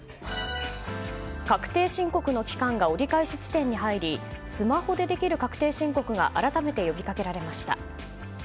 確定申告の期間が折り返し地点に入りスマホでできる確定申告が改めて呼びかけられました。